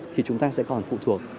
thì chúng ta sẽ còn phụ thuộc